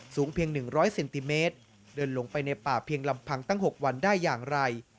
เพียง๑๐๐เซนติเมตรเดินลงไปในป่าเพียงลำพังตั้ง๖วันได้อย่างไร